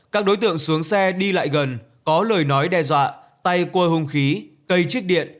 các đối tượng xuống xe đi lại gần có lời nói đe dọa tay qua hung khí cây trích điện